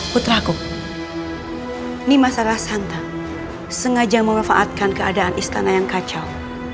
putraku ini masalah santa sengaja memanfaatkan keadaan istana yang kacau